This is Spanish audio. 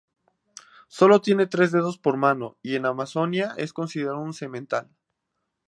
Solo tiene tres dedos por mano y en Amazonia es considerado un semental.